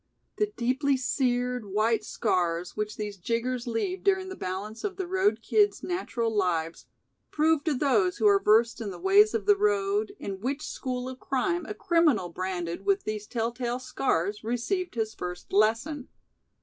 The deeply seared, white scars which these "jiggers" leave during the balance of the road kids' natural lives, prove to those who are versed in the ways of the road, in which school of crime a criminal branded with these tell tale scars received his first lesson.